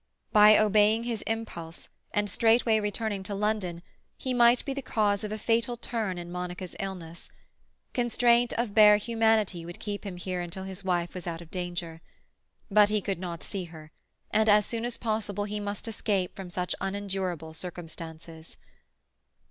By obeying his impulse, and straightway returning to London, he might be the cause of a fatal turn in Monica's illness. Constraint of bare humanity would keep him here until his wife was out of danger. But he could not see her, and as soon as possible he must escape from such unendurable circumstances.